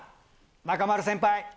中丸先輩。